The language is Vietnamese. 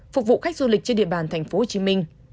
phục vụ khách du lịch trên địa bàn tp hcm